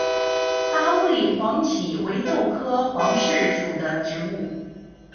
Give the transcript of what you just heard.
达乌里黄耆为豆科黄芪属的植物。